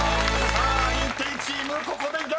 ［さあインテリチームここで逆転！］